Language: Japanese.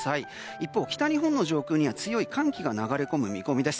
一方、北日本上空に強い寒気が流れ込む見込みです。